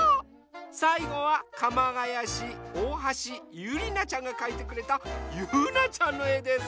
さいごはかまがやしおおはしゆりなちゃんがかいてくれたゆうなちゃんのえです！